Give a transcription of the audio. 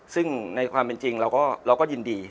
ซึ่งในความเป็นจริงเราก็ยินดี